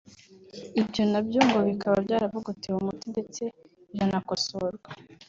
ibyo na byo ngo bikaba byaravugutiwe Umuti ndetse biranakosorwa